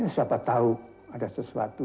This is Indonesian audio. siapa tahu ada sesuatu